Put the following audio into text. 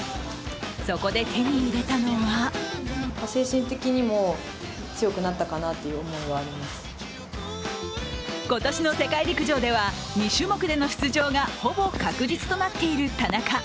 そこで手に入れたのは今年の世界陸上では２種目での出場がほぼ確実となっている田中。